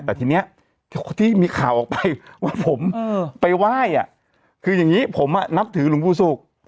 แต่ทีนี้ที่มีข่าวออกไปว่าผมไปไหว้คืออย่างนี้ผมนับถือหลวงปู่ศุกร์